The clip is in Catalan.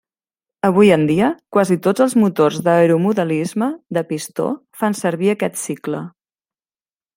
Avui en dia, quasi tots els motors d'aeromodelisme, de pistó, fan servir aquest cicle.